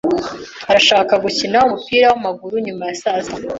Arashaka gukina umupira w'amaguru nyuma ya saa sita.